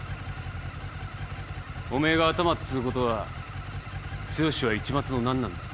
おめえがアタマっつうことは剛は市松の何なんだ？